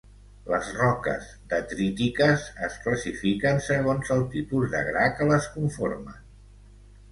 Les roques detrítiques es classifiquen segons el tipus de gra que les conformen.